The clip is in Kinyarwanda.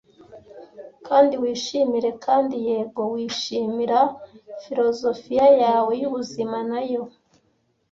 kandi wishimire, kandi yego, wishimira filozofiya yawe y'ubuzima, nayo.